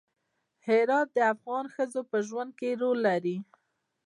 هرات د افغان ښځو په ژوند کې رول لري.